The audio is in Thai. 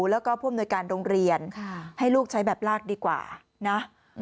แล้วก็ผู้อำนวยการโรงเรียนให้ลูกใช้แบบลากดีกว่านะ